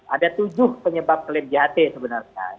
ada tujuh penyebab klaim jht sebenarnya